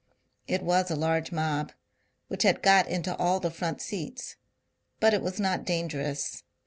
It was. a large mob — which had got into all the front seats — but it was not dangerous.